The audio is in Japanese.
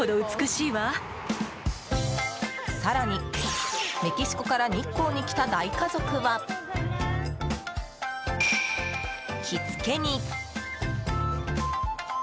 更にメキシコから日光に来た大家族は着付けに。